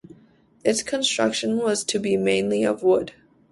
Its construction was to be mainly of wood.